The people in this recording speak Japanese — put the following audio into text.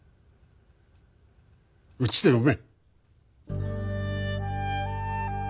うちで産め。